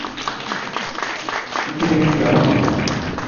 Grenada